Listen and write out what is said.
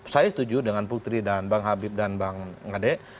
saya setuju dengan putri dan bang habib dan bang ngade